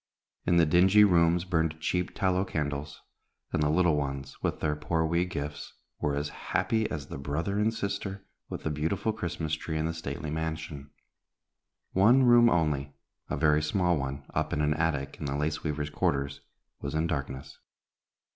In the dingy rooms burned cheap tallow candles, and the little ones, with their poor wee gifts, were as happy as the brother and sister with the beautiful Christmas tree in the stately mansion. One room only, a very small one, up in an attic in the lace weavers' quarters, was in darkness.